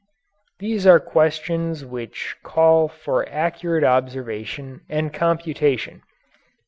These are questions which call for accurate observation and computation.